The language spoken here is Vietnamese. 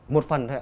một phần thế ạ